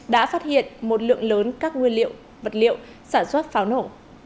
đã phát hiện một lượng lớn các nguyên liệu vật liệu sản xuất pháo nổ